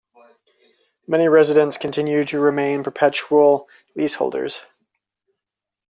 Many residents continue to remain perpetual leaseholders.